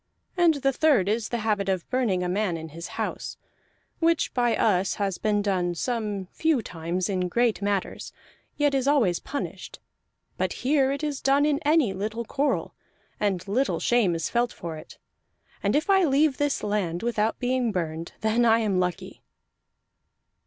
And the third is the habit of burning a man in his house, which by us has been done some few times in great matters, yet is always punished; but here it is done in any little quarrel, and little shame is felt for it. And if I leave this land without being burned, then I am lucky."